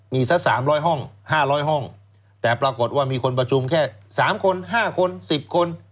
มีสัก๓๐๐ห้อง๕๐๐ห้องแต่ปรากฏว่ามีคนประชุมแค่๓คน๕คน๑๐คน